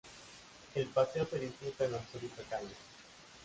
El paseo se disfruta en absoluta calma.